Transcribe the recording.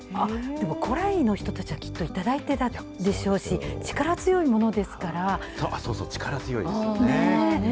でも、古来の人たちは、きっと頂いていたでしょうし、力強いそうそう、力強いんですよね。